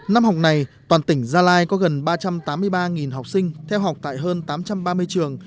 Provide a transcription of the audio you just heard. năm học này toàn tỉnh gia lai có gần ba trăm tám mươi ba học sinh theo học tại hơn tám trăm ba mươi trường